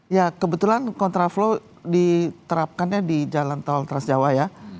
ya kebetulan kontraflow diterapkannya di jalan tol teras jawa ya